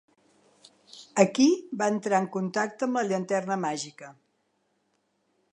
Aquí va entrar en contacte amb la llanterna màgica.